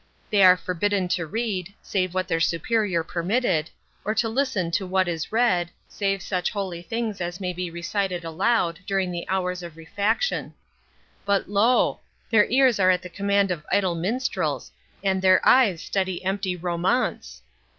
They are forbidden to read, save what their Superior permitted, or listen to what is read, save such holy things as may be recited aloud during the hours of refaction; but lo! their ears are at the command of idle minstrels, and their eyes study empty romaunts.